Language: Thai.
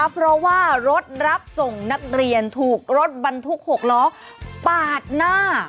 เพราะว่ารถรับส่งนักเรียนถูกรถบรรทุก๖ล้อปาดหน้า